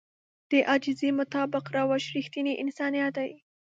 د عاجزي مطابق روش رښتينی انسانيت دی.